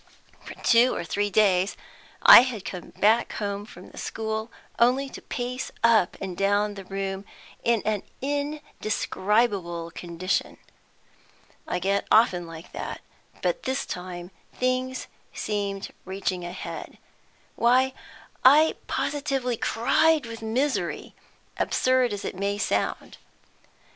For two or three days I had come back home from the school only to pace up and down the room in an indescribable condition. I get often like that, but this time things seemed reaching a head. Why, I positively cried with misery, absurd as it may sound.